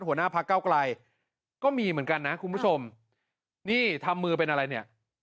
หัวหน้าพักเก้าไกลก็มีเหมือนกันนะคุณผู้ชมนี่ทำมือเป็นอะไรเนี่ย